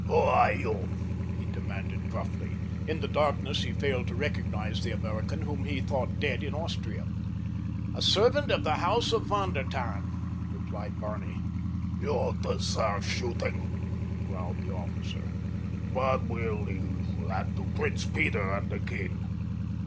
"Who are you?" he demanded gruffly. In the darkness he failed to recognize the American whom he thought dead in Austria. "A servant of the house of Von der Tann," replied Barney. "You deserve shooting," growled the officer, "but we'll leave that to Prince Peter and the king.